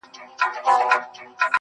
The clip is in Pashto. نوره سپوږمۍ راپسي مه ږغـوه.